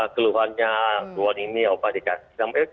keluhannya won ini obat dikasih